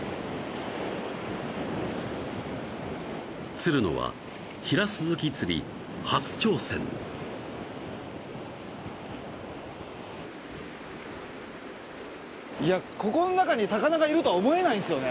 つるのはヒラスズキ釣り初挑戦いやここの中に魚がいるとは思えないんですよね